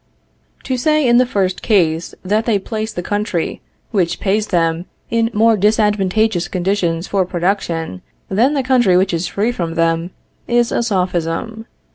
To say in the first case that they place the country which pays them in more disadvantageous conditions for production, than the country which is free from them, is a Sophism.